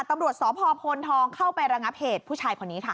ตำรวจสพพลทองเข้าไประงับเหตุผู้ชายคนนี้ค่ะ